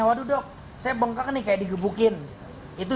waduh dok saya bengkak nih kayak di gebukin gitu